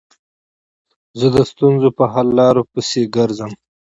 زه د ستونزو په حل لارو پيسي ګرځم.